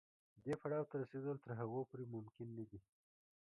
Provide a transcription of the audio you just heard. دې پړاو ته رسېدل تر هغې پورې ممکن نه دي.